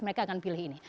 mereka akan pilih ini